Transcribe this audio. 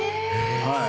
はい。